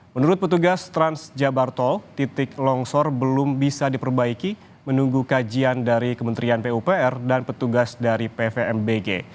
menurut petugas transjakarto titik longsor belum bisa diperbaiki menunggu kajian dari kementerian pupr dan petugas dari pvmbg